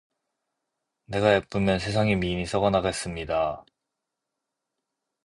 내가 예쁘면 세상의 미인이 썩어나겠 읍니 다.